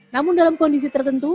namun dalam kondisi tertentu